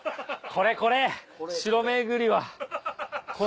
これこれ！